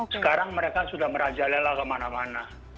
sekarang mereka sudah merajalela kemana mana